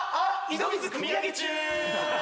井戸水くみ上げ中！